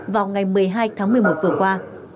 vào ngày một mươi hai tháng một mươi một vừa qua